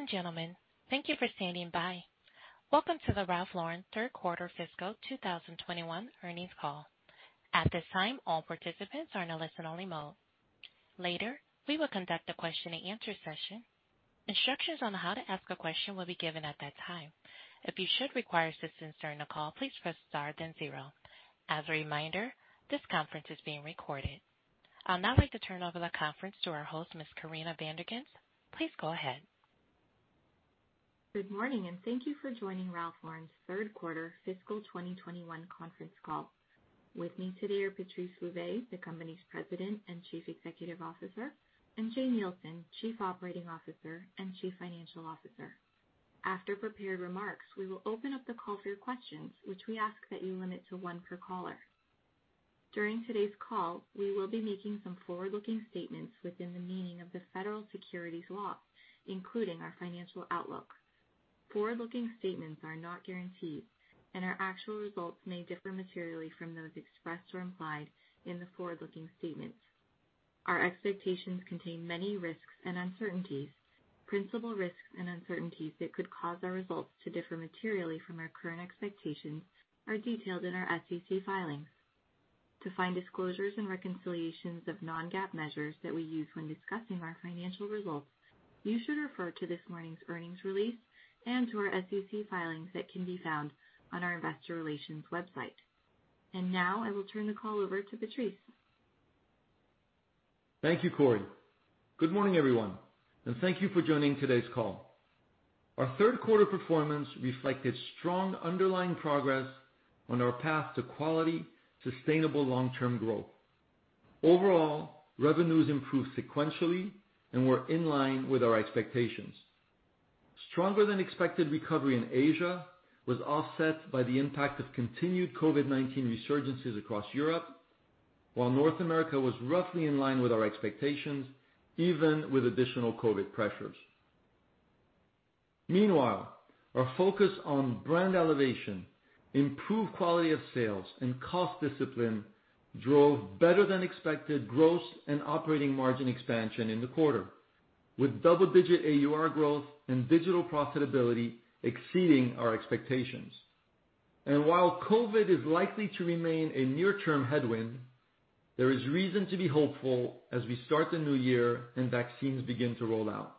Ladies and gentlemen, thank you for standing by. Welcome to the Ralph Lauren Third Quarter Fiscal 2021 Earnings Call. At this time, all participants are in a listen-only mode. Later, we will conduct a question and answer session. As a reminder, this conference is being recorded. I'll now like to turn over the conference to our host, Ms. Corinna Van der Ghinst. Please go ahead. Good morning, and thank you for joining Ralph Lauren's third quarter fiscal 2021 conference call. With me today are Patrice Louvet, the company's President and Chief Executive Officer, and Jane Nielsen, Chief Operating Officer and Chief Financial Officer. After prepared remarks, we will open up the call for your questions, which we ask that you limit to one per caller. During today's call, we will be making some forward-looking statements within the meaning of the federal securities law, including our financial outlook. Forward-looking statements are not guaranteed, and our actual results may differ materially from those expressed or implied in the forward-looking statements. Our expectations contain many risks and uncertainties. Principal risks and uncertainties that could cause our results to differ materially from our current expectations are detailed in our SEC filings. To find disclosures and reconciliations of non-GAAP measures that we use when discussing our financial results, you should refer to this morning's earnings release and to our SEC filings that can be found on our investor relations website. Now I will turn the call over to Patrice Louvet. Thank you, Corinna. Good morning, everyone, and thank you for joining today's call. Our third quarter performance reflected strong underlying progress on our path to quality, sustainable long-term growth. Overall, revenues improved sequentially and were in line with our expectations. Stronger than expected recovery in Asia was offset by the impact of continued COVID-19 resurgences across Europe, while North America was roughly in line with our expectations, even with additional COVID pressures. Meanwhile, our focus on brand elevation, improved quality of sales, and cost discipline drove better than expected gross and operating margin expansion in the quarter, with double-digit average unit retail growth and digital profitability exceeding our expectations. While COVID is likely to remain a near-term headwind, there is reason to be hopeful as we start the new year and vaccines begin to roll out.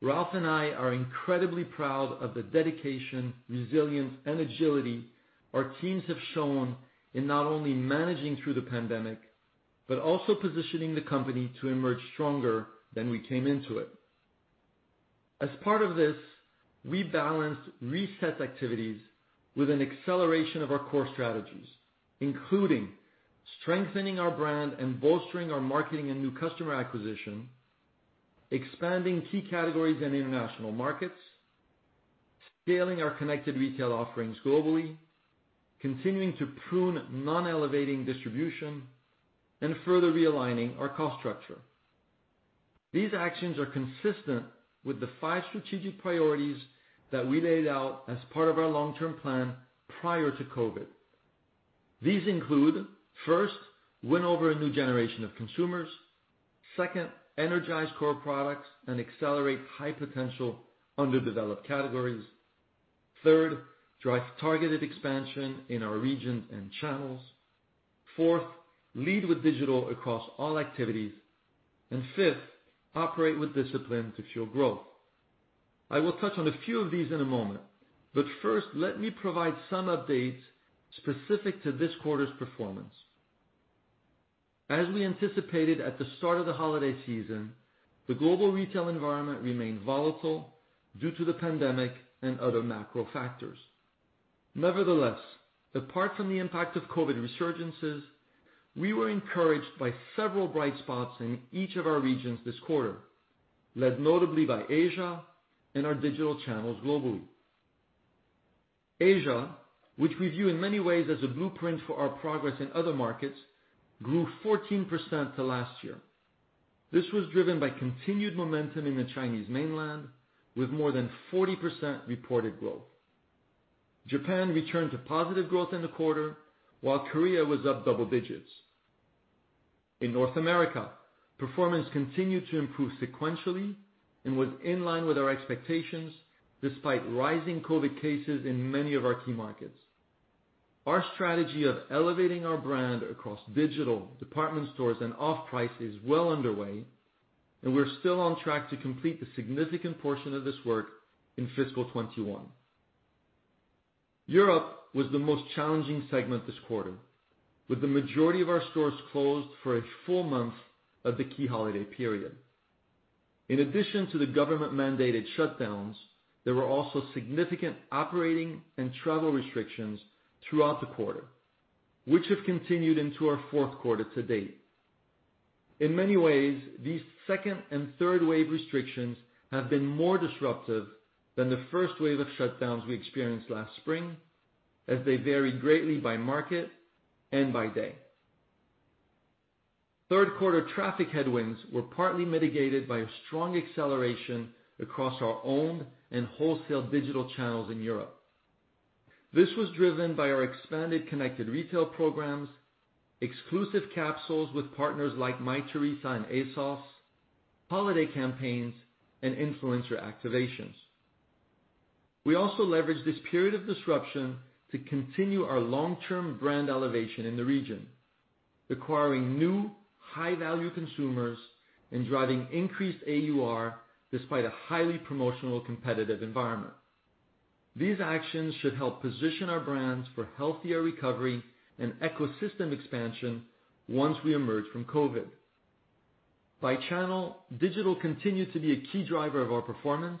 Ralph and I are incredibly proud of the dedication, resilience, and agility our teams have shown in not only managing through the pandemic, but also positioning the company to emerge stronger than we came into it. As part of this, we balanced reset activities with an acceleration of our core strategies, including strengthening our brand and bolstering our marketing and new customer acquisition, expanding key categories in international markets, scaling our connected retail offerings globally, continuing to prune non-elevating distribution, and further realigning our cost structure. These actions are consistent with the five strategic priorities that we laid out as part of our long-term plan prior to COVID. These include, first, win over a new generation of consumers. Second, energize core products and accelerate high-potential underdeveloped categories. Third, drive targeted expansion in our regions and channels. Fourth, lead with digital across all activities. Fifth, operate with discipline to fuel growth. I will touch on a few of these in a moment, but first, let me provide some updates specific to this quarter's performance. As we anticipated at the start of the holiday season, the global retail environment remained volatile due to the pandemic and other macro factors. Nevertheless, apart from the impact of COVID resurgences, we were encouraged by several bright spots in each of our regions this quarter, led notably by Asia and our digital channels globally. Asia, which we view in many ways as a blueprint for our progress in other markets, grew 14% to last year. This was driven by continued momentum in the Chinese mainland, with more than 40% reported growth. Japan returned to positive growth in the quarter, while Korea was up double digits. In North America, performance continued to improve sequentially and was in line with our expectations, despite rising COVID-19 cases in many of our key markets. Our strategy of elevating our brand across digital, department stores, and off-price is well underway, and we're still on track to complete the significant portion of this work in fiscal 2021. Europe was the most challenging segment this quarter, with the majority of our stores closed for a full month of the key holiday period. In addition to the government-mandated shutdowns, there were also significant operating and travel restrictions throughout the quarter, which have continued into our fourth quarter to date. In many ways, these second and third-wave restrictions have been more disruptive than the first wave of shutdowns we experienced last spring, as they vary greatly by market and by day. Third quarter traffic headwinds were partly mitigated by a strong acceleration across our owned and wholesale digital channels in Europe. This was driven by our expanded connected retail programs, exclusive capsules with partners like Mytheresa and As Seen On Screen, holiday campaigns, and influencer activations. We also leveraged this period of disruption to continue our long-term brand elevation in the region, acquiring new high-value consumers and driving increased AUR despite a highly promotional competitive environment. These actions should help position our brands for healthier recovery and ecosystem expansion once we emerge from COVID. By channel, digital continued to be a key driver of our performance,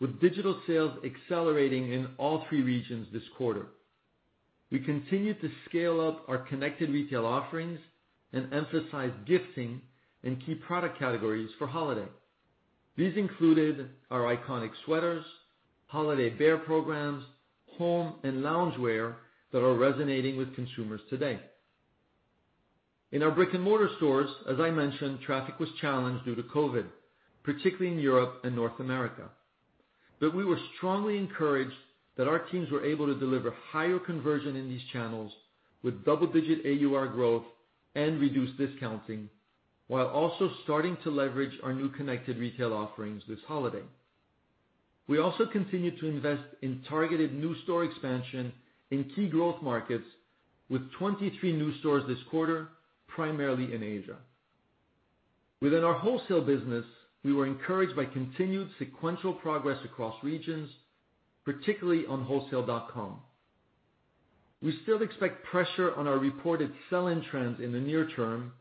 with digital sales accelerating in all three regions this quarter. We continued to scale up our connected retail offerings and emphasize gifting in key product categories for holiday. These included our iconic sweaters, holiday bear programs, home and loungewear that are resonating with consumers today. In our brick-and-mortar stores, as I mentioned, traffic was challenged due to COVID, particularly in Europe and North America. We were strongly encouraged that our teams were able to deliver higher conversion in these channels with double-digit AUR growth and reduced discounting, while also starting to leverage our new connected retail offerings this holiday. We also continued to invest in targeted new store expansion in key growth markets with 23 new stores this quarter, primarily in Asia. Within our wholesale business, we were encouraged by continued sequential progress across regions, particularly on wholesale.com. We still expect pressure on our reported sell-in trends in the near term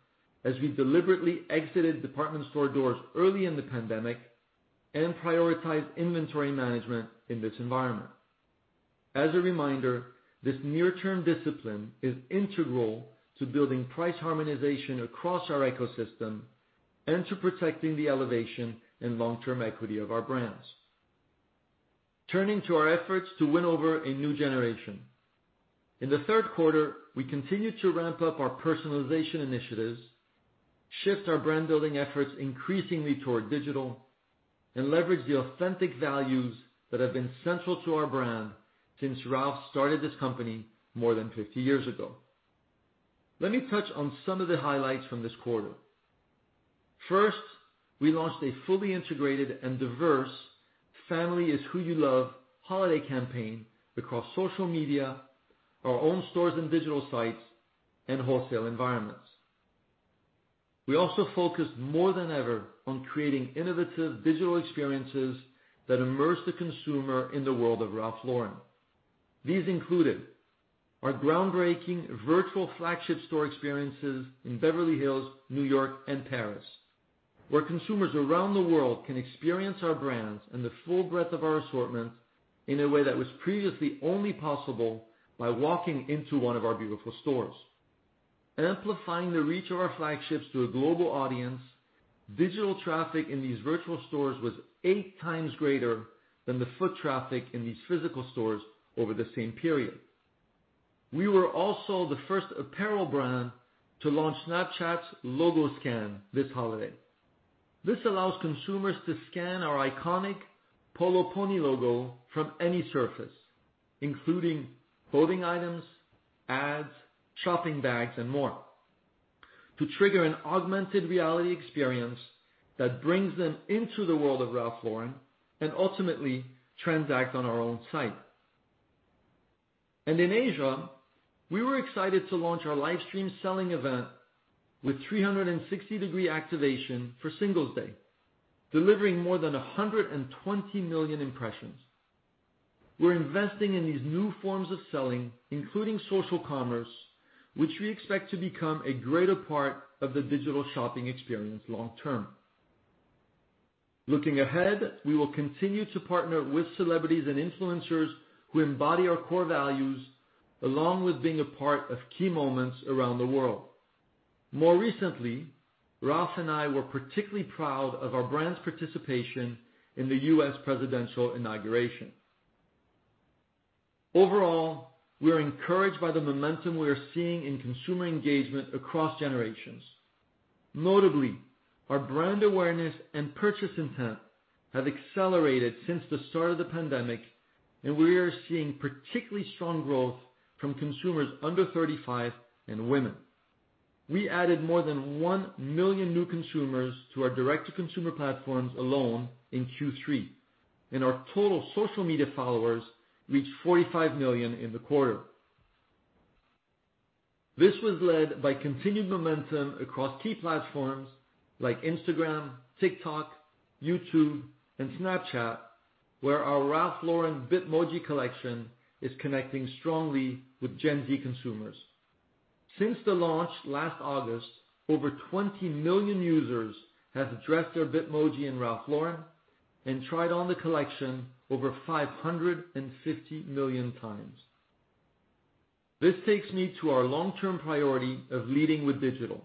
as we deliberately exited department store doors early in the pandemic and prioritized inventory management in this environment. As a reminder, this near-term discipline is integral to building price harmonization across our ecosystem and to protecting the elevation and long-term equity of our brands. Turning to our efforts to win over a new generation. In the third quarter, we continued to ramp up our personalization initiatives, shift our brand-building efforts increasingly toward digital, and leverage the authentic values that have been central to our brand since Ralph started this company more than 50 years ago. Let me touch on some of the highlights from this quarter. First, we launched a fully integrated and diverse Family is Who You Love holiday campaign across social media, our own stores and digital sites, and wholesale environments. We also focused more than ever on creating innovative digital experiences that immerse the consumer in the world of Ralph Lauren. These included our groundbreaking virtual flagship store experiences in Beverly Hills, New York, and Paris, where consumers around the world can experience our brands and the full breadth of our assortment in a way that was previously only possible by walking into one of our beautiful stores. Amplifying the reach of our flagships to a global audience, digital traffic in these virtual stores was 8x greater than the foot traffic in these physical stores over the same period. We were also the first apparel brand to launch Snapchat's logo scan this holiday. This allows consumers to scan our iconic Polo pony logo from any surface, including clothing items, ads, shopping bags, and more, to trigger an augmented reality experience that brings them into the world of Ralph Lauren and ultimately transact on our own site. In Asia, we were excited to launch our livestream selling event with 360-degree activation for Singles' Day, delivering more than 120 million impressions. We're investing in these new forms of selling, including social commerce, which we expect to become a greater part of the digital shopping experience long term. Looking ahead, we will continue to partner with celebrities and influencers who embody our core values, along with being a part of key moments around the world. More recently, Ralph and I were particularly proud of our brand's participation in the U.S. presidential inauguration. Overall, we are encouraged by the momentum we are seeing in consumer engagement across generations. Notably, our brand awareness and purchase intent have accelerated since the start of the pandemic, and we are seeing particularly strong growth from consumers under 35 and women. We added more than 1 million new consumers to our direct-to-consumer platforms alone in Q3, and our total social media followers reached 45 million in the quarter. This was led by continued momentum across key platforms like Instagram, TikTok, YouTube, and Snapchat, where our Ralph Lauren Bitmoji collection is connecting strongly with Gen Z consumers. Since the launch last August, over 20 million users have dressed their Bitmoji in Ralph Lauren and tried on the collection over 550 million times. This takes me to our long-term priority of leading with digital.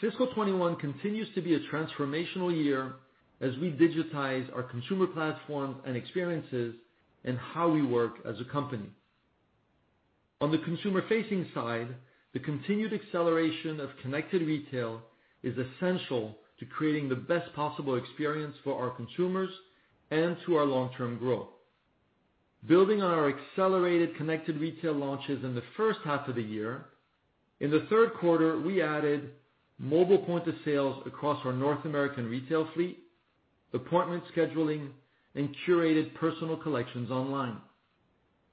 Fiscal 2021 continues to be a transformational year as we digitize our consumer platforms and experiences and how we work as a company. On the consumer-facing side, the continued acceleration of connected retail is essential to creating the best possible experience for our consumers and to our long-term growth. Building on our accelerated connected retail launches in the first half of the year, in the third quarter, we added mobile point of sales across our North American retail fleet, appointment scheduling, and curated personal collections online,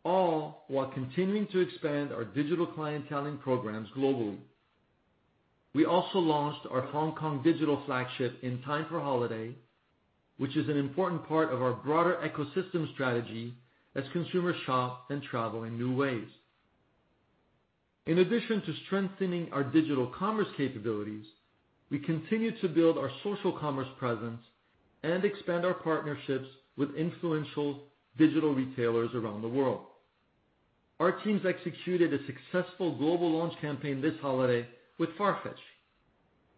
all while continuing to expand our digital clienteling programs globally. We also launched our Hong Kong digital flagship in time for holiday, which is an important part of our broader ecosystem strategy as consumers shop and travel in new ways. In addition to strengthening our digital commerce capabilities, we continue to build our social commerce presence and expand our partnerships with influential digital retailers around the world. Our teams executed a successful global launch campaign this holiday with Farfetch.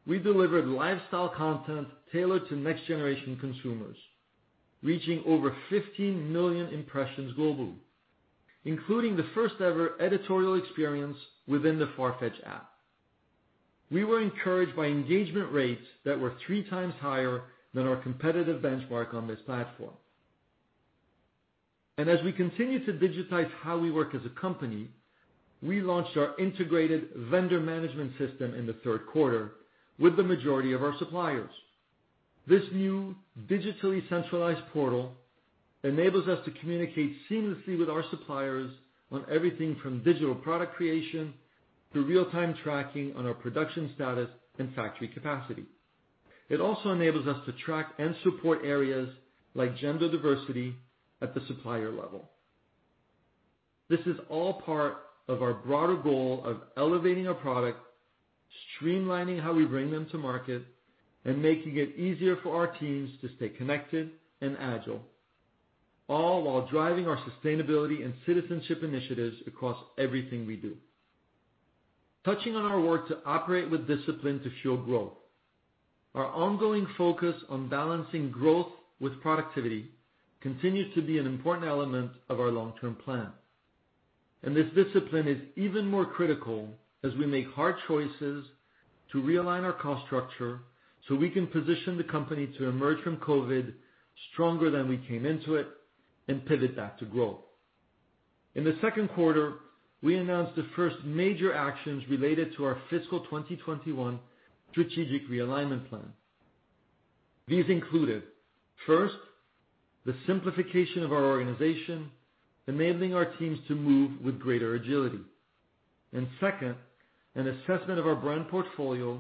We delivered lifestyle content tailored to next-generation consumers, reaching over 15 million impressions globally, including the first-ever editorial experience within the Farfetch app. We were encouraged by engagement rates that were 3x higher than our competitive benchmark on this platform. As we continue to digitize how we work as a company, we launched our integrated vendor management system in the third quarter with the majority of our suppliers. This new digitally centralized portal enables us to communicate seamlessly with our suppliers on everything from digital product creation to real-time tracking on our production status and factory capacity. It also enables us to track and support areas like gender diversity at the supplier level. This is all part of our broader goal of elevating our product, streamlining how we bring them to market, and making it easier for our teams to stay connected and agile, all while driving our sustainability and citizenship initiatives across everything we do. Touching on our work to operate with discipline to fuel growth. Our ongoing focus on balancing growth with productivity continues to be an important element of our long-term plan, and this discipline is even more critical as we make hard choices to realign our cost structure so we can position the company to emerge from COVID stronger than we came into it and pivot that to growth. In the second quarter, we announced the first major actions related to our fiscal 2021 strategic realignment plan. These included, first, the simplification of our organization, enabling our teams to move with greater agility. Second, an assessment of our brand portfolio,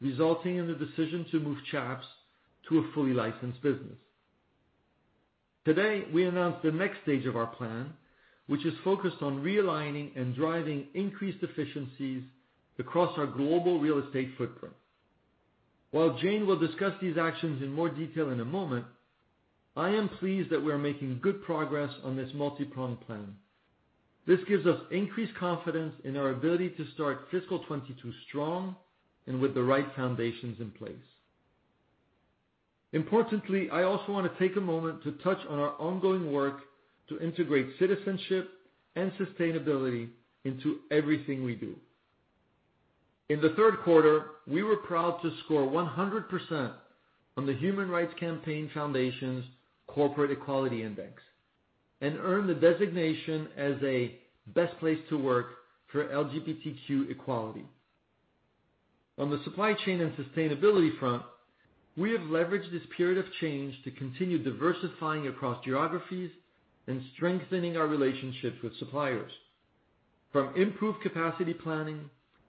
resulting in the decision to move Chaps to a fully licensed business. Today, we announce the next stage of our plan, which is focused on realigning and driving increased efficiencies across our global real estate footprint. While Jane will discuss these actions in more detail in a moment, I am pleased that we are making good progress on this multi-pronged plan. This gives us increased confidence in our ability to start fiscal 2022 strong and with the right foundations in place. Importantly, I also want to take a moment to touch on our ongoing work to integrate citizenship and sustainability into everything we do. In the third quarter, we were proud to score 100% on the Human Rights Campaign Foundation's Corporate Equality Index and earn the designation as a best place to work for LGBTQ equality. On the supply chain and sustainability front, we have leveraged this period of change to continue diversifying across geographies and strengthening our relationships with suppliers, from improved capacity planning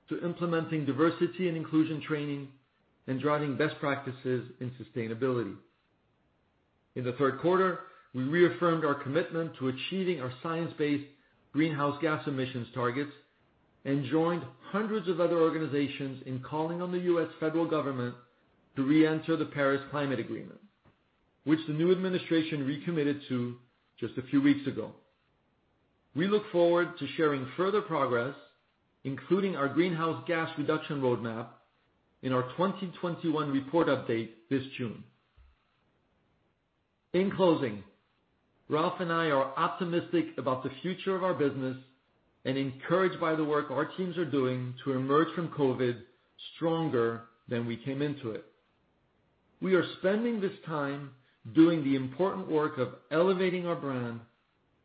to implementing diversity and inclusion training and driving best practices in sustainability. In the third quarter, we reaffirmed our commitment to achieving our science-based greenhouse gas emissions targets and joined hundreds of other organizations in calling on the U.S. federal government to reenter the Paris Climate Agreement, which the new administration recommitted to just a few weeks ago. We look forward to sharing further progress, including our greenhouse gas reduction roadmap in our 2021 report update this June. In closing, Ralph and I are optimistic about the future of our business and encouraged by the work our teams are doing to emerge from COVID stronger than we came into it. We are spending this time doing the important work of elevating our brand,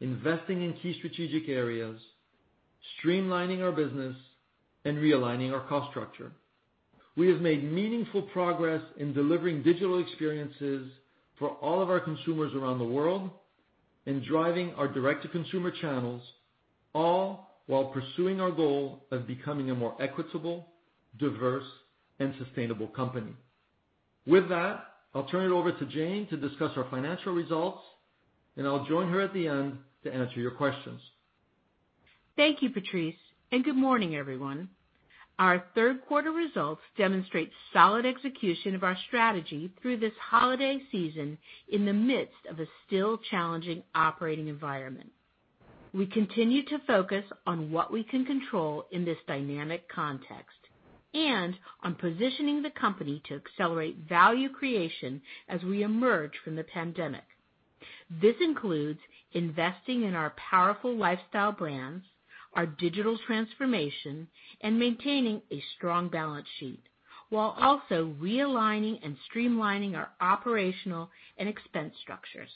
investing in key strategic areas, streamlining our business, and realigning our cost structure. We have made meaningful progress in delivering digital experiences for all of our consumers around the world and driving our direct-to-consumer channels, all while pursuing our goal of becoming a more equitable, diverse, and sustainable company. With that, I'll turn it over to Jane Nielsen to discuss our financial results, and I'll join her at the end to answer your questions. Thank you, Patrice. Good morning, everyone. Our third quarter results demonstrate solid execution of our strategy through this holiday season in the midst of a still challenging operating environment. We continue to focus on what we can control in this dynamic context and on positioning the company to accelerate value creation as we emerge from the pandemic. This includes investing in our powerful lifestyle brands, our digital transformation, and maintaining a strong balance sheet, while also realigning and streamlining our operational and expense structures.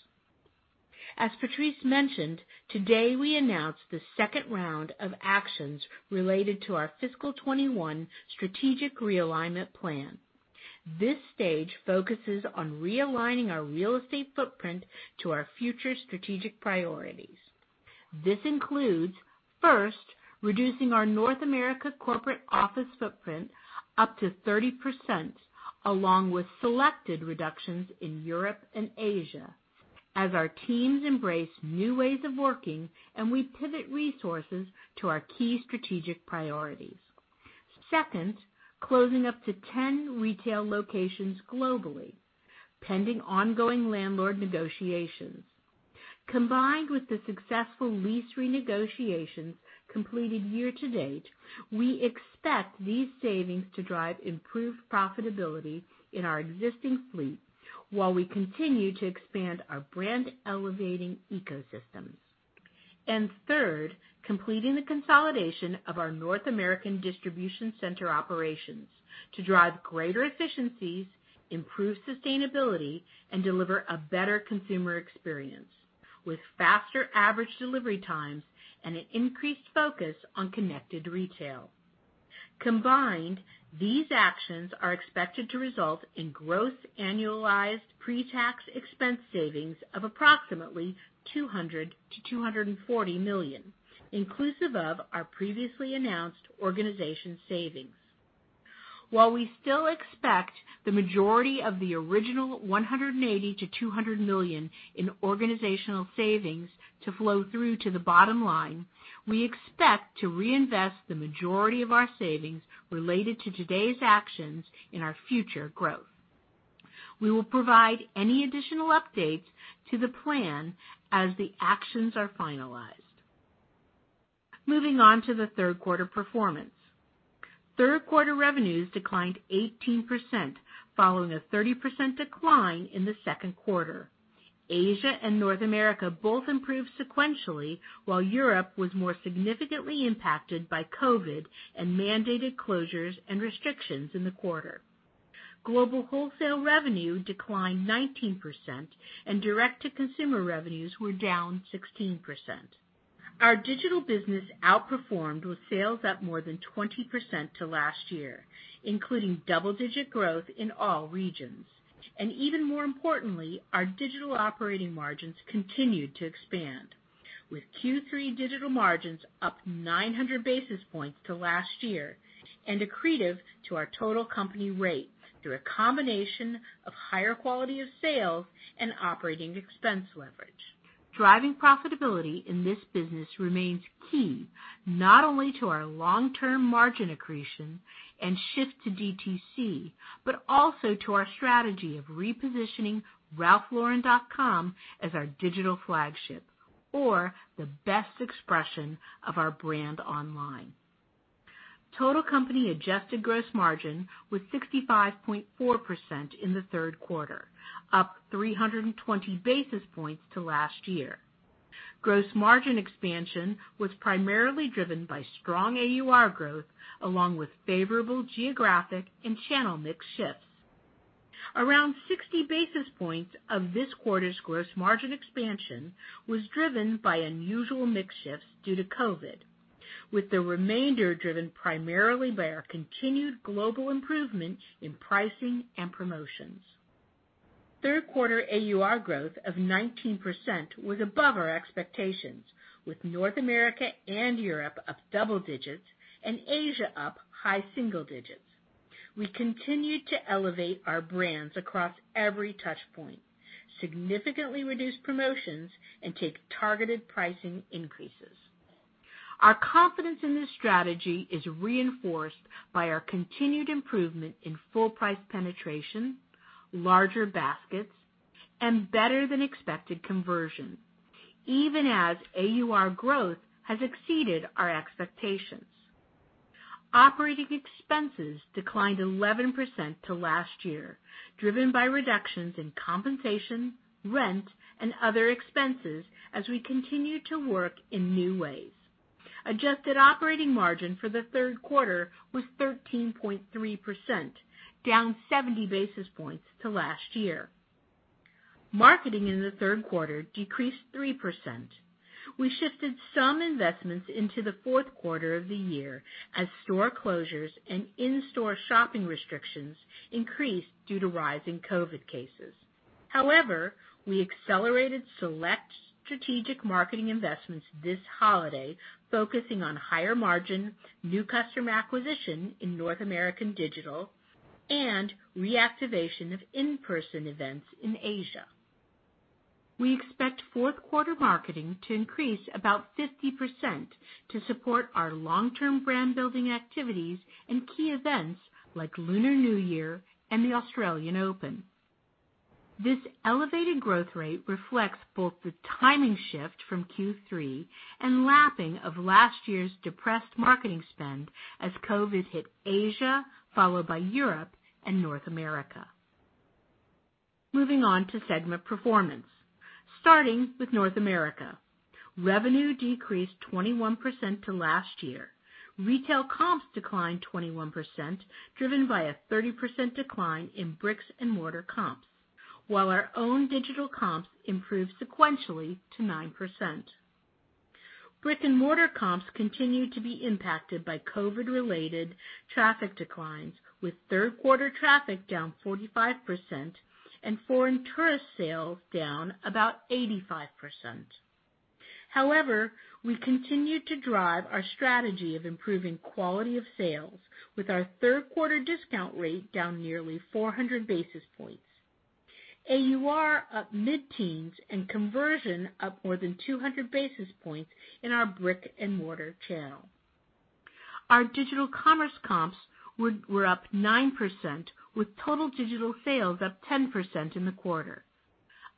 As Patrice mentioned, today we announce the second round of actions related to our fiscal 2021 strategic realignment plan. This stage focuses on realigning our real estate footprint to our future strategic priorities. This includes, first, reducing our North America corporate office footprint up to 30%, along with selected reductions in Europe and Asia as our teams embrace new ways of working and we pivot resources to our key strategic priorities. Second, closing up to 10 retail locations globally, pending ongoing landlord negotiations. Combined with the successful lease renegotiations completed year to date, we expect these savings to drive improved profitability in our existing fleet while we continue to expand our brand-elevating ecosystems. Third, completing the consolidation of our North American distribution center operations to drive greater efficiencies, improve sustainability, and deliver a better consumer experience with faster average delivery times and an increased focus on connected retail. Combined, these actions are expected to result in gross annualized pre-tax expense savings of approximately $200 million-$240 million, inclusive of our previously announced organization savings. While we still expect the majority of the original $180 million-$200 million in organizational savings to flow through to the bottom line, we expect to reinvest the majority of our savings related to today's actions in our future growth. We will provide any additional updates to the plan as the actions are finalized. Moving on to the third quarter performance. Third-quarter revenues declined 18%, following a 30% decline in the second quarter. Asia and North America both improved sequentially, while Europe was more significantly impacted by COVID and mandated closures and restrictions in the quarter. Global wholesale revenue declined 19%, and direct-to-consumer revenues were down 16%. Our digital business outperformed with sales up more than 20% to last year, including double-digit growth in all regions. Even more importantly, our digital operating margins continued to expand, with Q3 digital margins up 900 basis points to last year and accretive to our total company rate through a combination of higher quality of sales and operating expense leverage. Driving profitability in this business remains key not only to our long-term margin accretion and shift to DTC, but also to our strategy of repositioning ralphlauren.com as our digital flagship or the best expression of our brand online. Total company adjusted gross margin was 65.4% in the third quarter, up 320 basis points to last year. Gross margin expansion was primarily driven by strong AUR growth, along with favorable geographic and channel mix shifts. Around 60 basis points of this quarter's gross margin expansion was driven by unusual mix shifts due to COVID, with the remainder driven primarily by our continued global improvements in pricing and promotions. Third quarter AUR growth of 19% was above our expectations, with North America and Europe up double digits and Asia up high single digits. We continued to elevate our brands across every touch point, significantly reduce promotions, and take targeted pricing increases. Our confidence in this strategy is reinforced by our continued improvement in full price penetration, larger baskets, and better-than-expected conversion, even as AUR growth has exceeded our expectations. Operating expenses declined 11% to last year, driven by reductions in compensation, rent, and other expenses as we continue to work in new ways. Adjusted operating margin for the third quarter was 13.3%, down 70 basis points to last year. Marketing in the third quarter decreased 3%. We shifted some investments into the fourth quarter of the year as store closures and in-store shopping restrictions increased due to rising COVID cases. However, we accelerated select strategic marketing investments this holiday, focusing on higher margin, new customer acquisition in North American digital, and reactivation of in-person events in Asia. We expect fourth quarter marketing to increase about 50% to support our long-term brand-building activities and key events like Lunar New Year and the Australian Open. This elevated growth rate reflects both the timing shift from Q3 and lapping of last year's depressed marketing spend as COVID hit Asia, followed by Europe and North America. Moving on to segment performance. Starting with North America. Revenue decreased 21% to last year. Retail comps declined 21%, driven by a 30% decline in bricks and mortar comps, while our own digital comps improved sequentially to 9%. Brick-and-mortar comps continued to be impacted by COVID-related traffic declines, with third quarter traffic down 45% and foreign tourist sales down about 85%. However, we continued to drive our strategy of improving quality of sales with our third quarter discount rate down nearly 400 basis points, AUR up mid-teens, and conversion up more than 200 basis points in our brick-and-mortar channel. Our digital commerce comps were up 9%, with total digital sales up 10% in the quarter.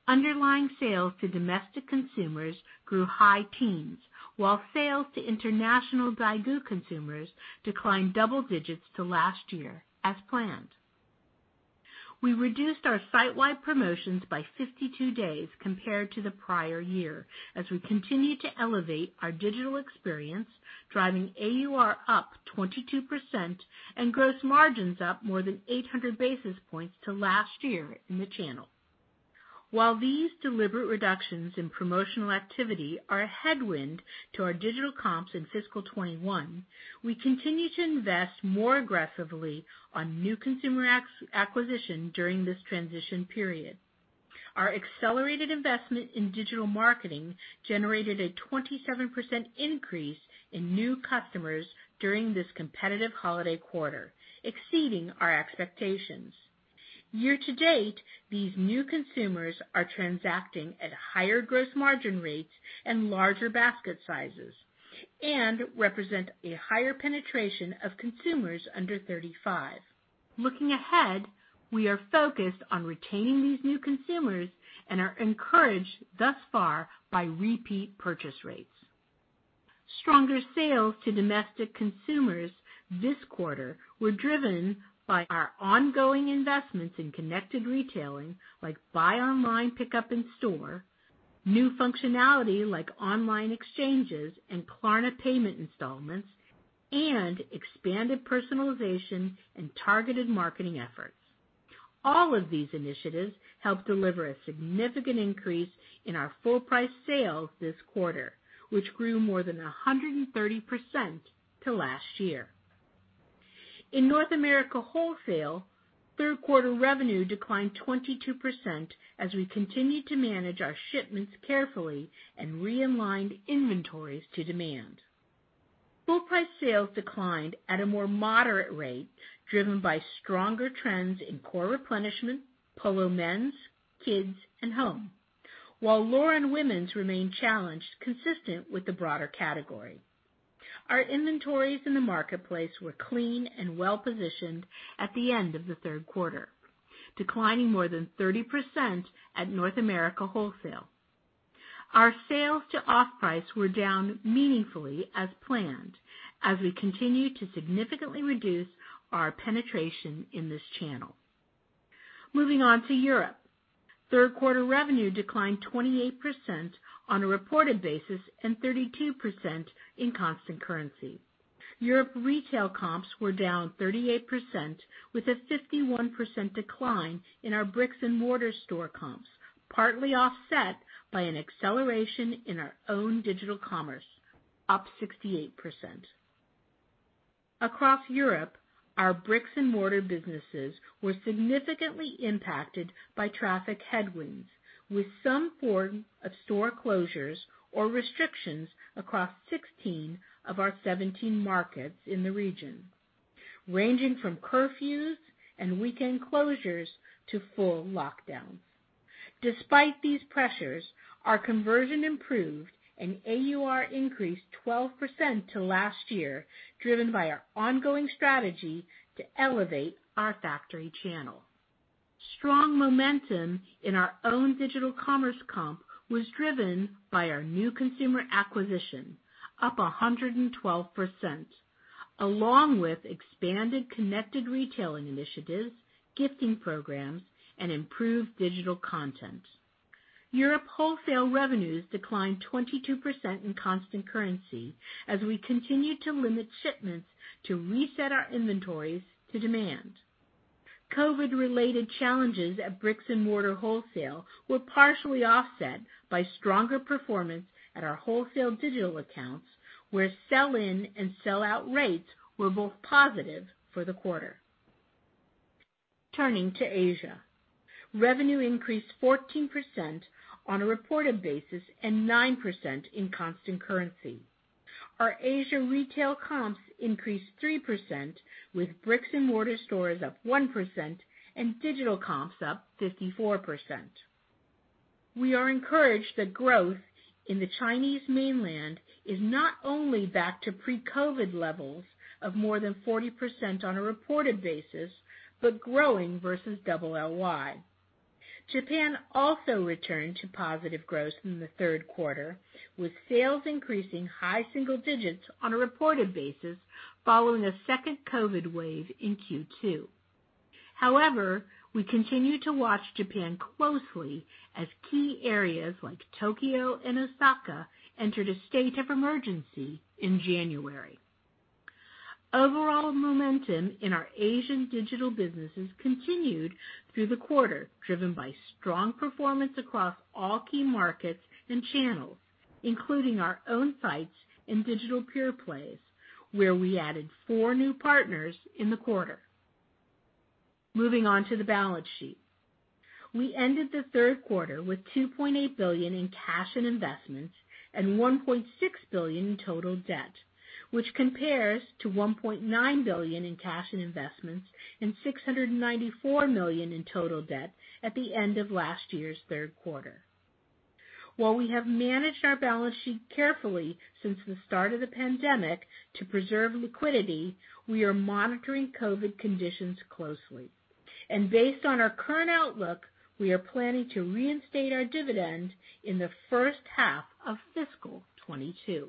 Underlying sales to domestic consumers grew high teens, while sales to international Daigou consumers declined double digits to last year, as planned. We reduced our site-wide promotions by 52 days compared to the prior year, as we continued to elevate our digital experience, driving AUR up 22% and gross margins up more than 800 basis points to last year in the channel. While these deliberate reductions in promotional activity are a headwind to our digital comps in fiscal 2021, we continue to invest more aggressively on new consumer acquisition during this transition period. Our accelerated investment in digital marketing generated a 27% increase in new customers during this competitive holiday quarter, exceeding our expectations. Year-to-date, these new consumers are transacting at higher gross margin rates and larger basket sizes and represent a higher penetration of consumers under 35. Looking ahead, we are focused on retaining these new consumers and are encouraged thus far by repeat purchase rates. Stronger sales to domestic consumers this quarter were driven by our ongoing investments in connected retailing, like buy online, pickup in store, new functionality like online exchanges and Klarna payment installments, and expanded personalization and targeted marketing efforts. All of these initiatives helped deliver a significant increase in our full price sales this quarter, which grew more than 130% to last year. In North America wholesale, third quarter revenue declined 22% as we continued to manage our shipments carefully and realigned inventories to demand. Full price sales declined at a more moderate rate, driven by stronger trends in core replenishment, Polo men's, kids, and home. While Lauren women's remained challenged consistent with the broader category. Our inventories in the marketplace were clean and well-positioned at the end of the third quarter, declining more than 30% at North America wholesale. Our sales to off-price were down meaningfully as planned as we continue to significantly reduce our penetration in this channel. Moving on to Europe. Third quarter revenue declined 28% on a reported basis and 32% in constant currency. Europe retail comps were down 38%, with a 51% decline in our bricks and mortar store comps, partly offset by an acceleration in our own digital commerce, up 68%. Across Europe, our bricks and mortar businesses were significantly impacted by traffic headwinds, with some form of store closures or restrictions across 16 of our 17 markets in the region, ranging from curfews and weekend closures to full lockdowns. Despite these pressures, our conversion improved, and AUR increased 12% to last year, driven by our ongoing strategy to elevate our factory channel. Strong momentum in our own digital commerce comp was driven by our new consumer acquisition, up 112%, along with expanded connected retailing initiatives, gifting programs, and improved digital content. Europe wholesale revenues declined 22% in constant currency as we continued to limit shipments to reset our inventories to demand. COVID-related challenges at bricks and mortar wholesale were partially offset by stronger performance at our wholesale digital accounts, where sell-in and sell-out rates were both positive for the quarter. Turning to Asia. Revenue increased 14% on a reported basis and 9% in constant currency. Our Asia retail comps increased 3%, with bricks-and-mortar stores up 1% and digital comps up 54%. We are encouraged that growth in the Chinese mainland is not only back to pre-COVID levels of more than 40% on a reported basis, but growing versus double LY. Japan also returned to positive growth in the third quarter, with sales increasing high single digits on a reported basis following a second COVID wave in Q2. We continue to watch Japan closely as key areas like Tokyo and Osaka entered a state of emergency in January. Overall momentum in our Asian digital businesses continued through the quarter, driven by strong performance across all key markets and channels, including our own sites and digital pure-plays, where we added four new partners in the quarter. Moving on to the balance sheet. We ended the third quarter with $2.8 billion in cash and investments and $1.6 billion in total debt, which compares to $1.9 billion in cash and investments and $694 million in total debt at the end of last year's third quarter. While we have managed our balance sheet carefully since the start of the pandemic to preserve liquidity, we are monitoring COVID conditions closely, and based on our current outlook, we are planning to reinstate our dividend in the first half of fiscal 2022.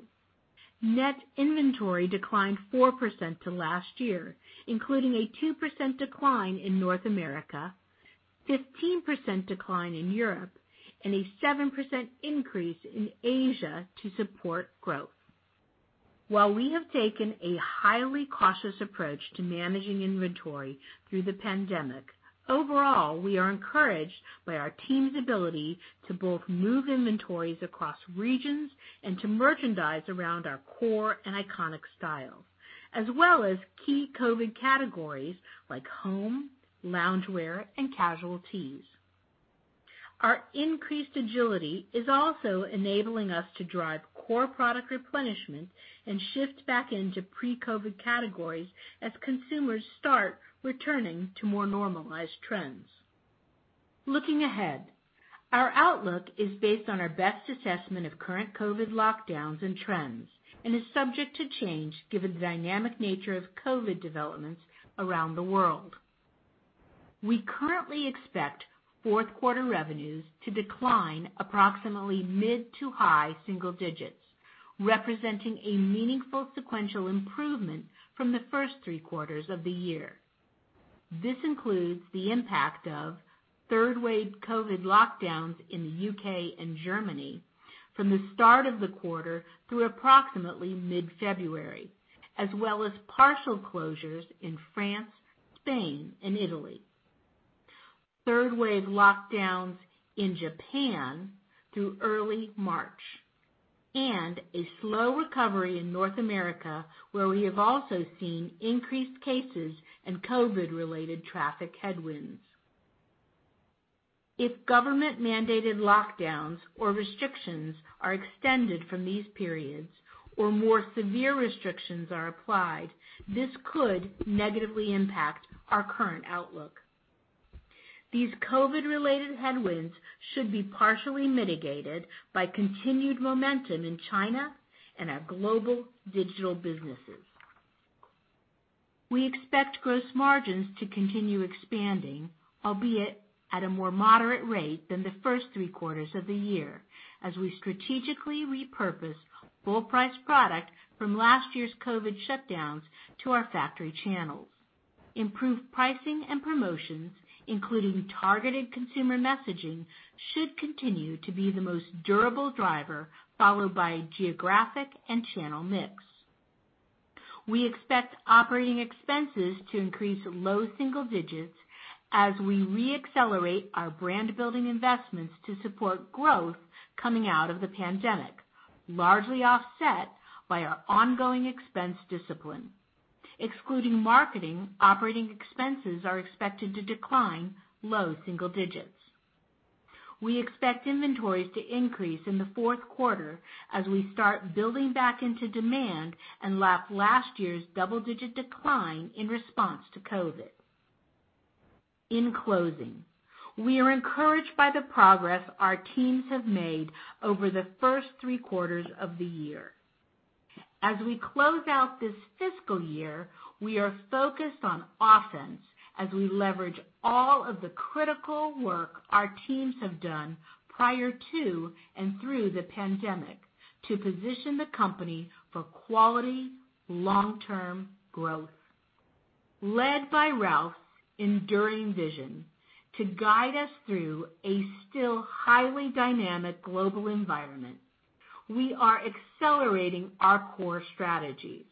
Net inventory declined 4% to last year, including a 2% decline in North America, 15% decline in Europe, and a 7% increase in Asia to support growth. While we have taken a highly cautious approach to managing inventory through the pandemic, overall, we are encouraged by our team's ability to both move inventories across regions and to merchandise around our core and iconic styles, as well as key COVID categories like home, loungewear, and casual tees. Our increased agility is also enabling us to drive core product replenishment and shift back into pre-COVID categories as consumers start returning to more normalized trends. Looking ahead, our outlook is based on our best assessment of current COVID lockdowns and trends and is subject to change given the dynamic nature of COVID developments around the world. We currently expect fourth quarter revenues to decline approximately mid to high single digits, representing a meaningful sequential improvement from the first three quarters of the year. This includes the impact of third-wave COVID lockdowns in the U.K. and Germany from the start of the quarter through approximately mid-February, as well as partial closures in France, Spain, and Italy. Third-wave lockdowns in Japan through early March, and a slow recovery in North America, where we have also seen increased cases and COVID-related traffic headwinds. If government-mandated lockdowns or restrictions are extended from these periods or more severe restrictions are applied, this could negatively impact our current outlook. These COVID-related headwinds should be partially mitigated by continued momentum in China and our global digital businesses. We expect gross margins to continue expanding, albeit at a more moderate rate than the first three quarters of the year as we strategically repurpose full price product from last year's COVID shutdowns to our factory channels. Improved pricing and promotions, including targeted consumer messaging, should continue to be the most durable driver, followed by geographic and channel mix. We expect operating expenses to increase low single digits as we re-accelerate our brand-building investments to support growth coming out of the pandemic, largely offset by our ongoing expense discipline. Excluding marketing, operating expenses are expected to decline low single digits. We expect inventories to increase in the fourth quarter as we start building back into demand and lap last year's double-digit decline in response to COVID. In closing, we are encouraged by the progress our teams have made over the first three quarters of the year. As we close out this fiscal year, we are focused on offense as we leverage all of the critical work our teams have done prior to and through the pandemic to position the company for quality long-term growth. Led by Ralph's enduring vision to guide us through a still highly dynamic global environment, we are accelerating our core strategies,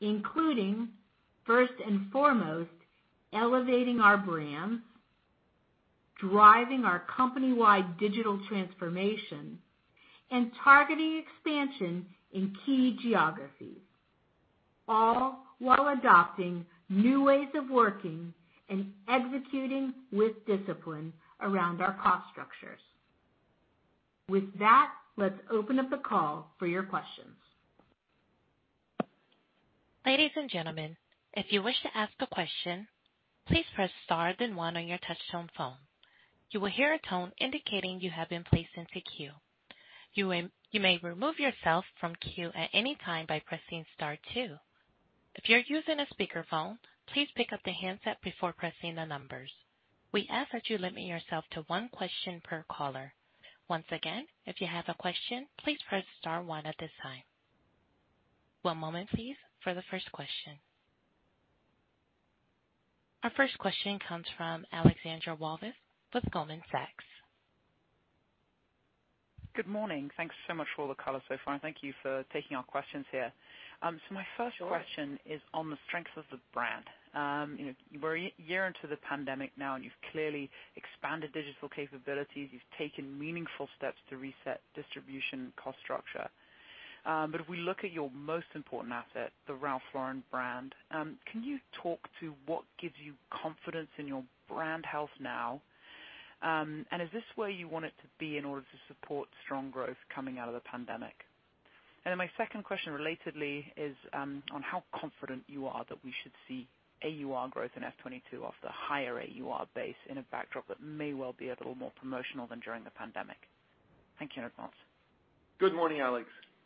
including, first and foremost, elevating our brands, driving our company-wide digital transformation, and targeting expansion in key geographies, all while adopting new ways of working and executing with discipline around our cost structures. With that, let's open up the call for your questions. Ladies and gentlemen, if you wish to ask a question, please press star then one on your touchtone phone. You will hear a tone indicating you have been placed in the queue. You may remove yourself from queue at any time by pressing star two. If you're using a speakerphone, please pick up the handset before pressing the numbers. We ask that you limit yourself to one question per caller. Once again, if you have a question, please press star one at this time. One moment please, for the first question. Our first question comes from Alexandra Walvis with Goldman Sachs. Good morning. Thanks so much for all the color so far, and thank you for taking our questions here. My first question is on the strength of the brand. We're a year into the pandemic now, and you've clearly expanded digital capabilities. You've taken meaningful steps to reset distribution cost structure. If we look at your most important asset, the Ralph Lauren brand, can you talk to what gives you confidence in your brand health now? Is this where you want it to be in order to support strong growth coming out of the pandemic? My second question relatedly is on how confident you are that we should see AUR growth in FY 2022 off the higher AUR base in a backdrop that may well be a little more promotional than during the pandemic. Thank you in advance. Good morning,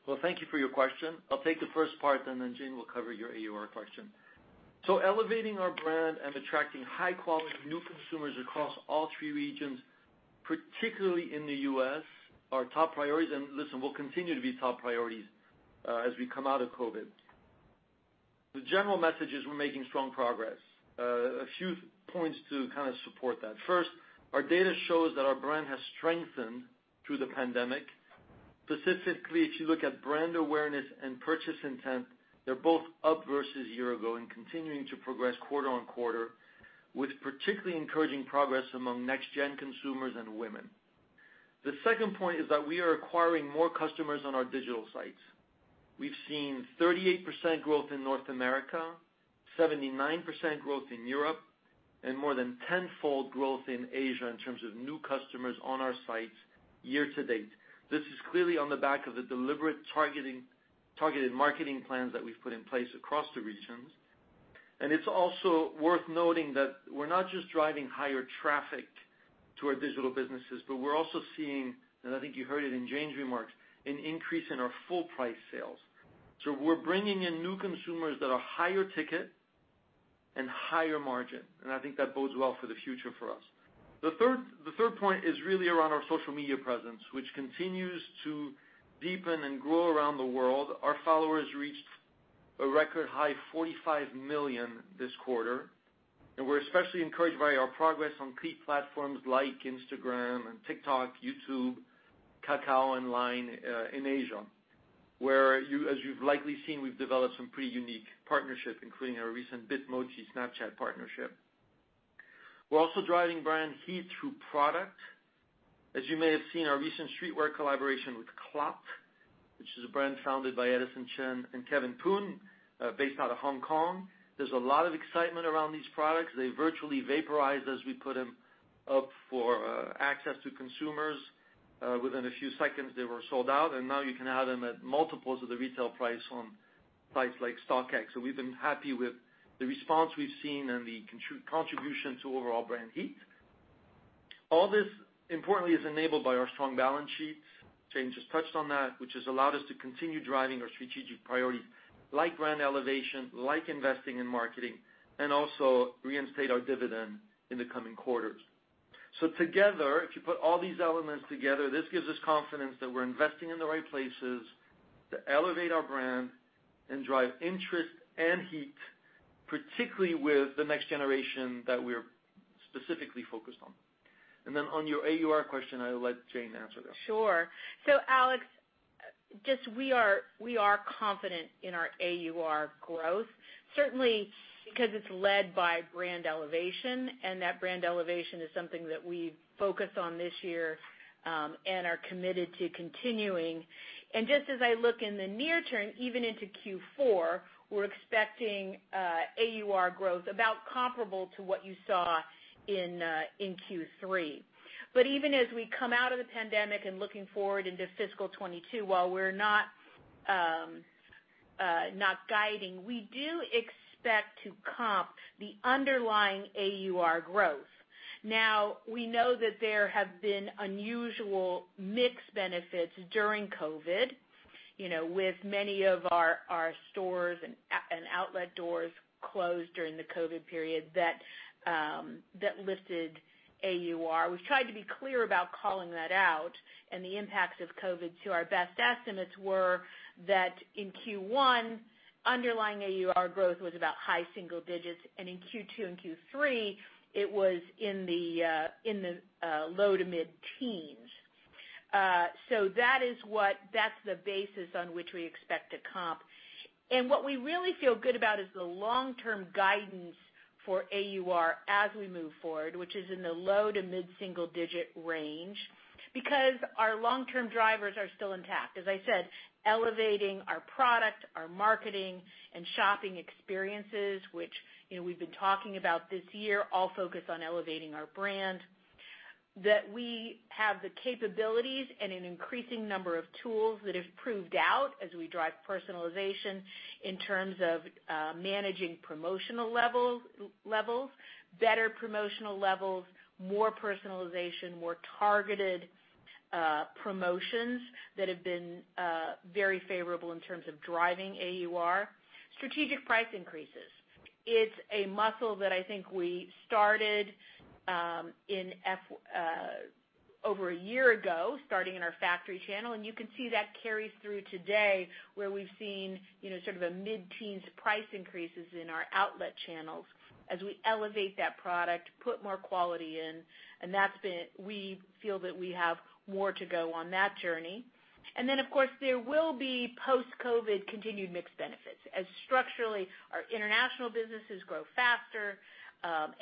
Alexandra. Thank you for your question. I'll take the first part, and then Jane will cover your AUR question. Elevating our brand and attracting high-quality new consumers across all three regions, particularly in the U.S., are top priorities, and listen, will continue to be top priorities as we come out of COVID. The general message is we're making strong progress. A few points to support that. First, our data shows that our brand has strengthened through the pandemic. Specifically, if you look at brand awareness and purchase intent, they're both up versus year ago and continuing to progress quarter on quarter, with particularly encouraging progress among next-gen consumers and women. The second point is that we are acquiring more customers on our digital sites. We've seen 38% growth in North America, 79% growth in Europe, and more than tenfold growth in Asia in terms of new customers on our sites year to date. This is clearly on the back of the deliberate targeted marketing plans that we've put in place across the regions. It's also worth noting that we're not just driving higher traffic to our digital businesses, but we're also seeing, and I think you heard it in Jane's remarks, an increase in our full price sales. We're bringing in new consumers that are higher ticket and higher margin, and I think that bodes well for the future for us. The third point is really around our social media presence, which continues to deepen and grow around the world. Our followers reached a record high 45 million this quarter, and we're especially encouraged by our progress on key platforms like Instagram and TikTok, YouTube, Kakao, and LINE in Asia. Where as you've likely seen, we've developed some pretty unique partnership, including our recent Bitmoji Snapchat partnership. We're also driving brand heat through product. As you may have seen, our recent streetwear collaboration with CLOT, which is a brand founded by Edison Chen and Kevin Poon, based out of Hong Kong. There's a lot of excitement around these products. They virtually vaporized as we put them up for access to consumers. Within a few seconds, they were sold out, and now you can have them at multiples of the retail price on sites like StockX.com. We've been happy with the response we've seen and the contribution to overall brand heat. All this importantly is enabled by our strong balance sheet. Jane just touched on that, which has allowed us to continue driving our strategic priorities like brand elevation, like investing in marketing, and also reinstate our dividend in the coming quarters. Together, if you put all these elements together, this gives us confidence that we're investing in the right places to elevate our brand and drive interest and heat, particularly with the next generation that we're specifically focused on. On your AUR question, I will let Jane answer that. Sure. Alex, just we are confident in our AUR growth, certainly because it's led by brand elevation, and that brand elevation is something that we've focused on this year, and are committed to continuing. Just as I look in the near term, even into Q4, we're expecting AUR growth about comparable to what you saw in Q3. Even as we come out of the pandemic and looking forward into fiscal 2022, while we're not guiding, we do expect to comp the underlying AUR growth. Now, we know that there have been unusual mix benefits during COVID, with many of our stores and outlet doors closed during the COVID period that lifted AUR. We've tried to be clear about calling that out, and the impacts of COVID to our best estimates were that in Q1, underlying AUR growth was about high single digits, and in Q2 and Q3, it was in the low to mid-teens. That's the basis on which we expect to comp. What we really feel good about is the long-term guidance for AUR as we move forward, which is in the low to mid-single digit range, because our long-term drivers are still intact. As I said, elevating our product, our marketing, and shopping experiences, which we've been talking about this year, all focus on elevating our brand. That we have the capabilities and an increasing number of tools that have proved out as we drive personalization in terms of managing promotional levels, better promotional levels, more personalization, more targeted promotions that have been very favorable in terms of driving AUR. Strategic price increases. It's a muscle that I think we started over a year ago, starting in our factory channel, and you can see that carries through today, where we've seen sort of a mid-teens price increases in our outlet channels as we elevate that product, put more quality in, and we feel that we have more to go on that journey. Of course, there will be post-COVID continued mixed benefits as structurally our international businesses grow faster,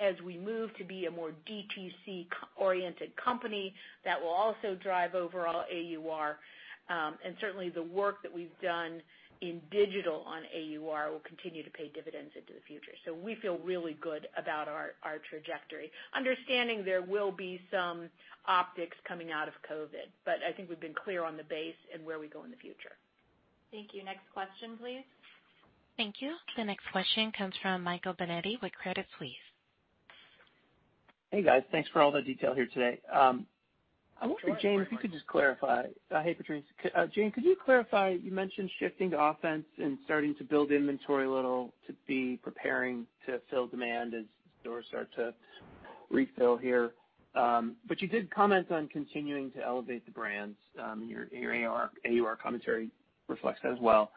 as we move to be a more DTC-oriented company that will also drive overall AUR. Certainly the work that we've done in digital on AUR will continue to pay dividends into the future. We feel really good about our trajectory, understanding there will be some optics coming out of COVID, but I think we've been clear on the base and where we go in the future. Thank you. Next question, please. Thank you. The next question comes from Michael Binetti with Credit Suisse. Hey, guys. Thanks for all the detail here today. I wonder, Jane, if you could just clarify. Hey, Patrice. Jane, could you clarify, you mentioned shifting to offense and starting to build inventory a little to be preparing to fill demand as stores start to refill here. You did comment on continuing to elevate the brands. Your AUR commentary reflects that as well.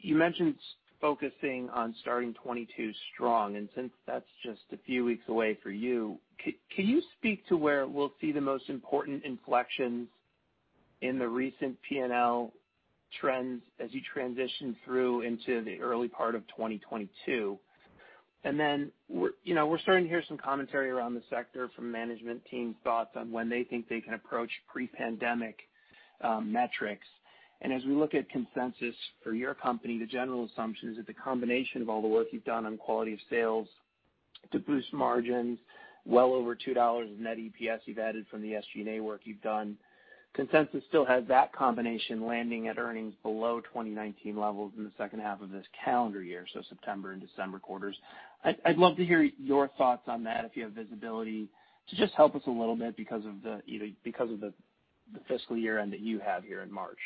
You mentioned focusing on starting 2022 strong, and since that's just a few weeks away for you, can you speak to where we'll see the most important inflections in the recent P&L trends as you transition through into the early part of 2022? We're starting to hear some commentary around the sector from management teams' thoughts on when they think they can approach pre-pandemic metrics. As we look at consensus for your company, the general assumption is that the combination of all the work you've done on quality of sales to boost margins, well over $2 of net EPS you've added from the SG&A work you've done. Consensus still has that combination landing at earnings below 2019 levels in the second half of this calendar year, so September and December quarters. I'd love to hear your thoughts on that if you have visibility to just help us a little bit because of the fiscal year-end that you have here in March.